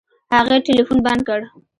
هغې ټلفون بند کړ.